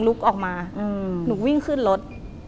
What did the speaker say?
ลุกออกมาหนูวิ่งขึ้นรถ